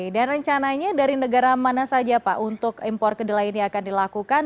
dan rencananya dari negara mana saja pak untuk impor kedelai ini akan dilakukan